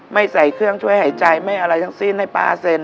ใส่เครื่องช่วยหายใจไม่อะไรทั้งสิ้นให้ป้าเซ็น